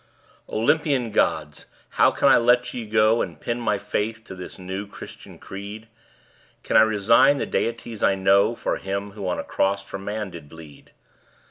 Olympian Gods! how can I let ye go And pin my faith to this new Christian creed? Can I resign the deities I know For him who on a cross for man did bleed?